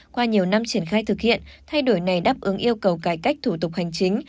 qua nhiều năm triển khai thực hiện thay đổi này đáp ứng yêu cầu cải cách thủ tục hành chính